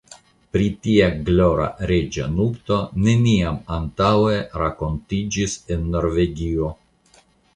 Pri tia glora reĝa nupto neniam antaŭe rakontiĝis en Norvegio.